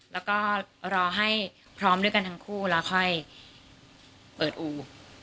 แล้วก็รอให้พร้อมด้วยกันทั้งคู่แล้วค่อยเปิดอู